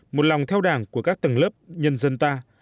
một lòng theo đảng của các tầng lớp nhân dân ta